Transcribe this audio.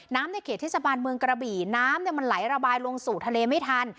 ในเขตเทศบาลเมืองกระบี่น้ำมันไหลระบายลงสู่ทะเลไม่ทัน